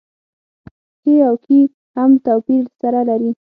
کې او کي هم توپير سره لري.